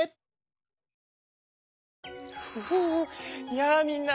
やあみんな！